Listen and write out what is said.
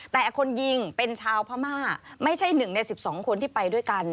แต่คนยิงเป็นชาวพม่าไม่ใช่หนึ่งในสิบสองคนที่ไปด้วยกัน